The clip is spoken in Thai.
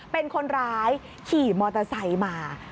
เป็นคนร้ายขี่มอเตอร์ไซค์มา